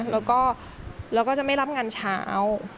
แล้วก็จะไม่รับงานเช้า